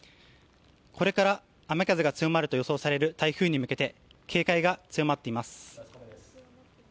これから雨、風が強まると予想される台風に向けて警戒が強まっています。